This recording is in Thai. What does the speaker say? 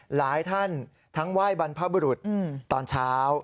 หลายท่านทั้งไหว้บรรพบุรุษตอนเช้า